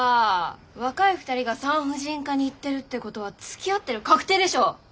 若い２人が産婦人科に行ってるってことはつきあってる確定でしょ。